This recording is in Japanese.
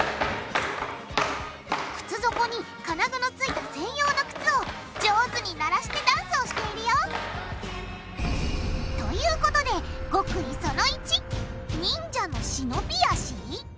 靴底に金具のついた専用の靴を上手に鳴らしてダンスをしているよ！ということでにん！